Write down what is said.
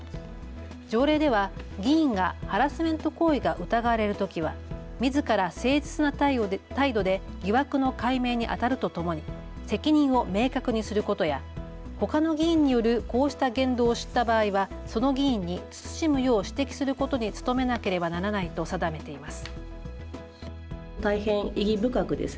条例では議員がハラスメント行為が疑われるときは、みずから誠実な態度で疑惑の解明にあたるとともに責任を明確にすることやほかの議員によるこうした言動を知った場合はその議員に慎むよう指摘することに努めなければならないと定めています。